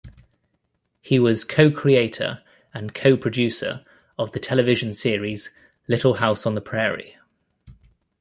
He was co-creator and co-producer of the television series Little House on the Prairie.